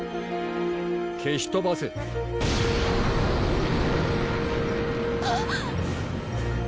消しとばせあっ！